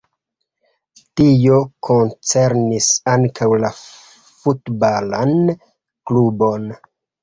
Tio koncernis ankaŭ la futbalan klubon.